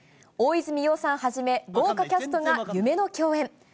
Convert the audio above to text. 大泉洋さんはじめ、豪華キャストが夢の競演。